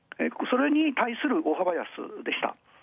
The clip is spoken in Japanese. それに対する大幅安でした